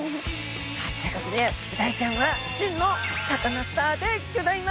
ということでブダイちゃんは真のサカナスターでギョざいます！